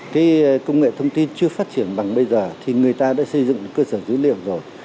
cái công nghệ thông tin chưa phát triển bằng bây giờ thì người ta đã xây dựng cơ sở dữ liệu rồi